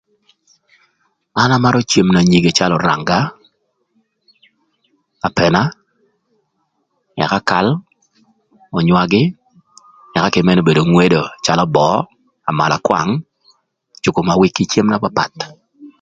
An amarö cem na nyige calö öranga, apëna, ëka kal, önywagï ëka kï mën n'obedo ngwedo calö böö, malakwang, cukumawiki ki cem na papath.